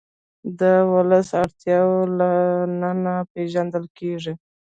د ولس اړتیاوې له ننه پېژندل کېږي.